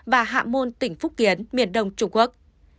và hạ môn tỉnh phúc kiến miền đông trung quốc